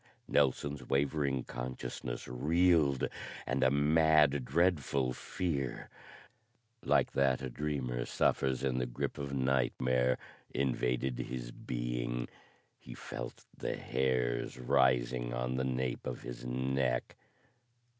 Nelson's wavering consciousness reeled, and a mad, dreadful fear, like that a dreamer suffers in the grip of nightmare, invaded his being. He felt the hairs rising on the nape of his neck.